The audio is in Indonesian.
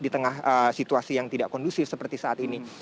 di tengah situasi yang tidak kondusif seperti saat ini